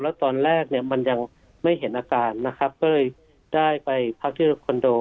แล้วตอนแรกเนี่ยมันยังไม่เห็นอาการนะครับก็เลยได้ไปพักที่คอนโด